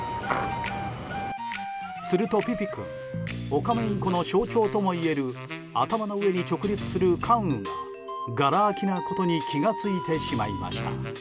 すると、ピピ君オカメインコの象徴ともいえる頭の上に直立する冠羽ががら空きなことに気が付いてしまいました。